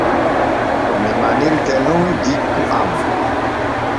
Mi manirte nun jikku am.